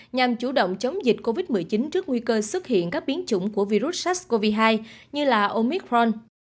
nhằm chủ động chống dịch covid một mươi chín trước nguy cơ xuất hiện các biến chủng của virus sars cov hai như là omicron